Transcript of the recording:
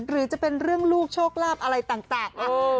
หรือจะเป็นเรื่องลูกโชคลาภอะไรต่าง